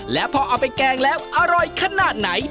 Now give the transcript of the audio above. แล้วพอเอาไปแกงแล้วอร่อยขนาดไหน